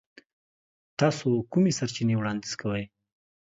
تاسو کومې سرچینې وړاندیز کوئ؟